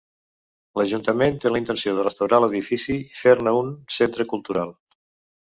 L'ajuntament té la intenció de restaurar l'edifici i fer-ne un centre cultural.